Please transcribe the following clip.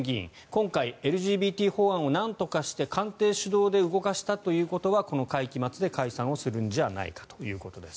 今回、ＬＧＢＴ法案をなんとかして官邸主導で動かしたということはこの会期末で解散をするんじゃないかということです。